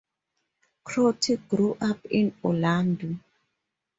Crotty grew up in Orlando.